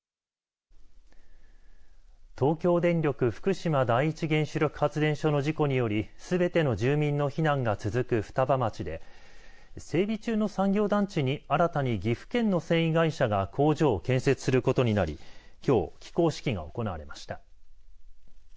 東京電力福島第一原子力発電所の事故によりすべての住民の避難が続く双葉町で整備中の産業団地に新たに岐阜県の繊維会社が工場を建設することになりきょう起工式が行われました。